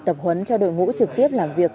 tập huấn cho đội ngũ trực tiếp làm việc